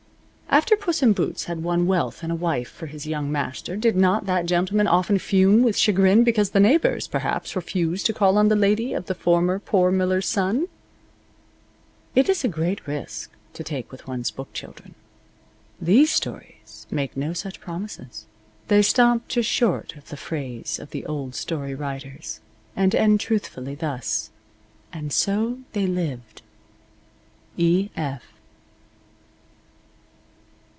After Puss in Boots had won wealth and a wife for his young master did not that gentleman often fume with chagrin because the neighbors, perhaps, refused to call on the lady of the former poor miller's son? It is a great risk to take with one's book children. These stories make no such promises. They stop just short of the phrase of the old story writers, and end truthfully, thus: And so they lived. E. F.